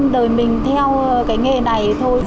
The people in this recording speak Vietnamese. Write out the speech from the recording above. đời mình theo cái nghề này thôi